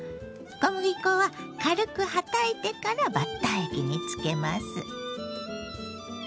小麦粉は軽くはたいてからバッター液につけます。